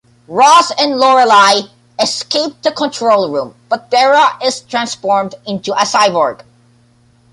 Ross and Lorelei escape the control room, but Vera is transformed into a cyborg.